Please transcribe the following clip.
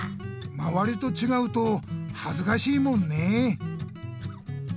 まわりとちがうとはずかしいもんねえ。